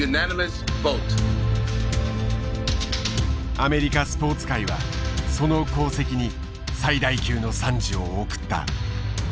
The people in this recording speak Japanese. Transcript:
アメリカスポーツ界はその功績に最大級の賛辞を贈った。